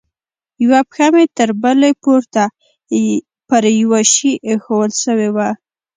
يوه پښه مې تر بلې پورته پر يوه شي ايښوول سوې وه.